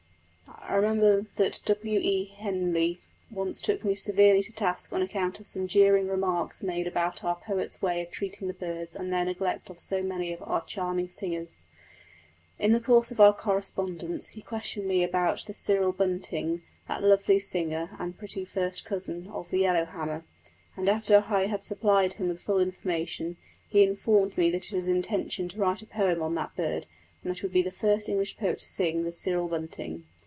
I remember that W. E. Henley once took me severely to task on account of some jeering remarks made about our poet's way of treating the birds and their neglect of so many of our charming singers. In the course of our correspondence he questioned me about the cirl bunting, that lively singer and pretty first cousin of the yellow hammer; and after I had supplied him with full information, he informed me that it was his intention to write a poem on that bird, and that he would be the first English poet to sing the cirl bunting.